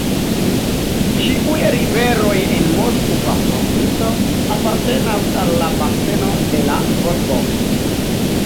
Ĉiuj riveroj en Moskva provinco apartenas al la baseno de la Volgo.